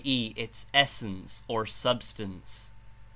e., Its essence or substance).